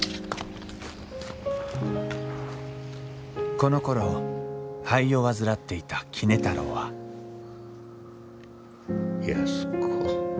このころ肺を患っていた杵太郎は安子。